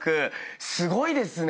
すごいですね。